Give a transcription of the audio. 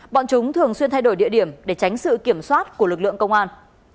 bọn chúng thường xuyên thay đổi địa điểm để tránh sự kiểm soát của lực lượng công an